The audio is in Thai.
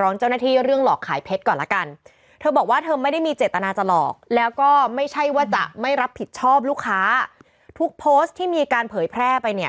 คนใส่เขาไม่ถามกันหรอกว่าคุณใส่กี่เคสมมติว่าพี่มศแหวนที่มือนี่กี่เคหรอคะอะไรอย่างนี้